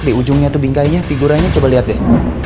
di ujungnya itu bingkainya figuranya coba lihat deh